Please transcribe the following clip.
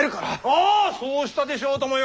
ああそうしたでしょうともよ！